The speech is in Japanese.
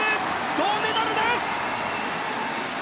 銅メダルです！